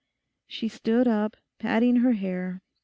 She stood up, patting her hair.